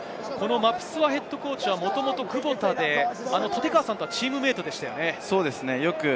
マプスアＨＣはもともとクボタで立川さんとはチームメートでしたよね。